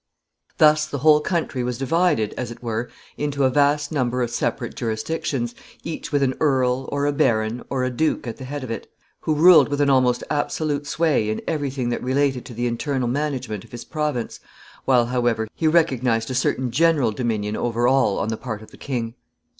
] Thus the whole country was divided, as it were, into a vast number of separate jurisdictions, each with an earl, or a baron, or a duke at the head of it, who ruled with an almost absolute sway in every thing that related to the internal management of his province, while, however, he recognized a certain general dominion over all on the part of the king.